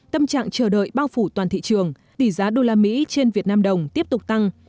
tâm trạng chờ đợi bao phủ toàn thị trường tỷ giá usd trên vnđ tiếp tục tăng